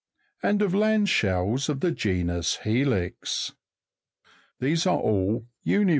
230), and of land shells of the genus helix. These are all Fig.